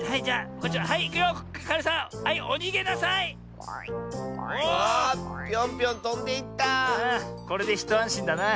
これでひとあんしんだな。